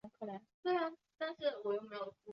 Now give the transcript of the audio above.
他为一个成年人重生的图画而挣扎。